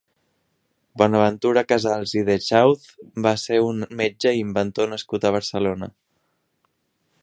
Bonaventura Casals i d’Echauz va ser un metge i inventor nascut a Barcelona.